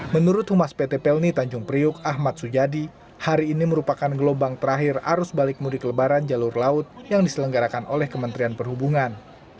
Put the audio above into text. menurut humas pt pelni tanjung priuk ahmad sujadi hari ini merupakan gelombang terakhir arus balik mudik lebaran jalur laut yang diselenggarakan oleh kementerian perhubungan